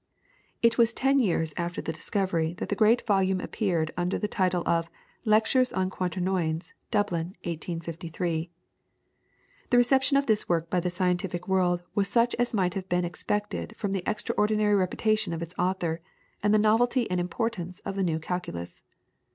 It was ten years after the discovery that the great volume appeared under the title of "Lectures on Quaternions," Dublin, 1853. The reception of this work by the scientific world was such as might have been expected from the extraordinary reputation of its author, and the novelty and importance of the new calculus.